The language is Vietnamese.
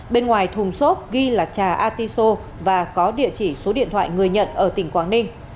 bên ngoài thùng xốp ghi là trà artiso và có địa chỉ số điện thoại người nhận ở tỉnh quảng ninh